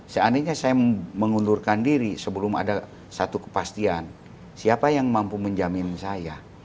seandainya saya mengundurkan diri sebelum ada satu kepastian siapa yang mampu menjamin saya